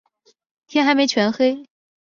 天还没全黑